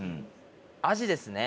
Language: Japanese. アジですね。